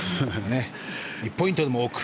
１ポイントでも多く。